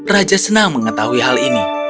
raja senang mengetahui hal ini